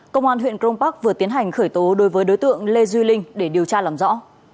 công an huyện cron park vừa tiến hành khởi tố đối với đối tượng lê duy linh để điều tra làm rõ